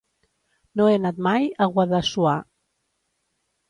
No he anat mai a Guadassuar.